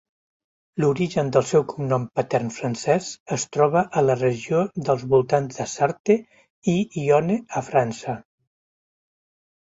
L'origen del seu cognom patern francès es troba a la regió dels voltants de Sarthe i Yonne a França.